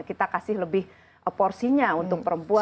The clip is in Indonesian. kita kasih lebih porsinya untuk perempuan